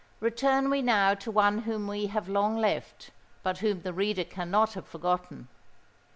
Return we now to one whom we have long left, but whom the reader cannot have forgotten.